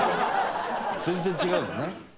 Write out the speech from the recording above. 全然違うよね。